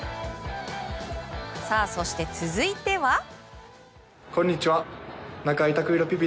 そして、続いては。